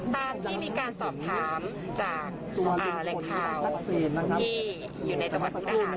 ตามที่มีการสอบถามจากแหล่งข่าวที่อยู่ในจังหวัดมุกดาหาร